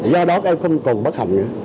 do đó các em không còn bất hạnh nữa